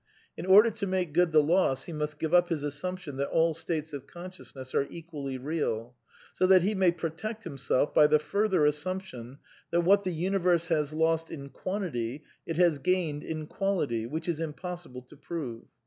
In order to make good the l oss, he m iiat. giyfl np In'g flijfgnTnptim i that all states of co n sci ousness are equally real ; s o that he may protect nmiself By ihe further assumption that what the Universe has lost in quantity it has gained in quality (which is impossible to prove).